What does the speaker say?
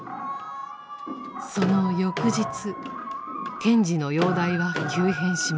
その翌日賢治の容体は急変します。